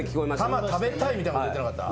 「タマ食べたい」みたいなこと言ってなかった？